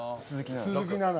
鈴木奈々。